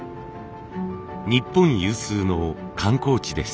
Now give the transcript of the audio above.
日本有数の観光地です。